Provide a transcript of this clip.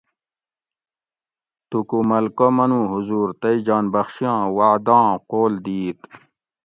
توکو ملکہ منو حضور تئی جان بخشیاں وعداں قول دِیت